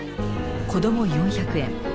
子供４００円。